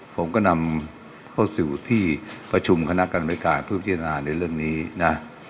ผมก็นำเข้าสู่ที่ประชุมคณะกรรมบริการผู้พิจารณาในเรื่องนี้นะ